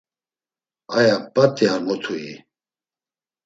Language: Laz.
Aya p̌at̆i ar mutui?